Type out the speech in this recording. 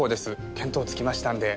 見当つきましたんで。